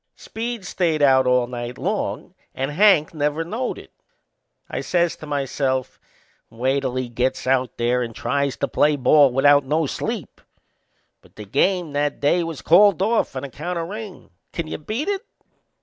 Speed stayed out all night long and Hank never knowed it. I says to myself: "Wait till he gets out there and tries to play ball without no sleep!" But the game that day was called off on account o' rain. Can you beat it?